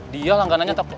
dia langganannya toko